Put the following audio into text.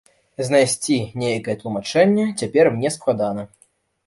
Знайсці нейкае тлумачэнне цяпер мне складана.